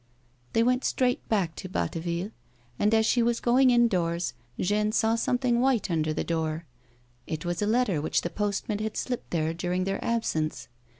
They went straight back to Batteville, and as she was going indoors Jeanne saw something white under the door ; it was a letter which the postman had slipped tliere during their absence.